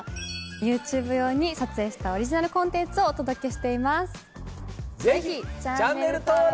ＹｏｕＴｕｂｅ用に撮影したオリジナルコンテンツをお届けしています。